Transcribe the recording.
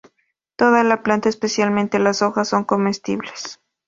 Toda la planta, especialmente las hojas, son comestibles.